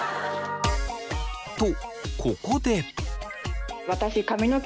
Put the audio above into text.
とここで。